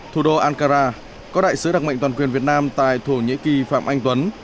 thủ đô ankara có đại sứ đặc mệnh toàn quyền việt nam tại thổ nhĩ kỳ phạm anh tuấn